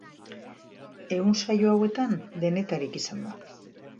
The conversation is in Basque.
Ehun saio hauetan, denetarik izan da.